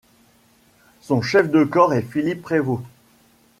Son chef de corps est Philippe Prévôt.